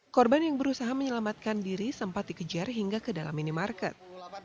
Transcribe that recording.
korban yang berusaha menyelamatkan diri sempat dikejar hingga ke dalam minimarket